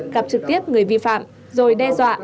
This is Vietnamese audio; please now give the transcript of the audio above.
gặp trực tiếp người vi phạm rồi đe dọa